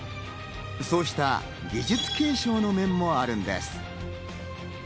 そうした技術継承の面もあるんです。